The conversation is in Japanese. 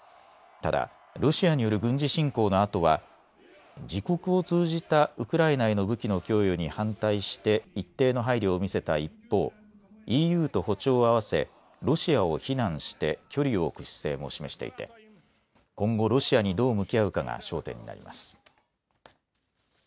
ただ、ロシアによる軍事侵攻のあとは自国を通じたウクライナへの武器の供与に反対して一定の配慮を見せた一方、ＥＵと歩調を合わせロシアを非難して距離を置く姿勢も示していて今後、ロシアにどう向き合うかが焦点になります。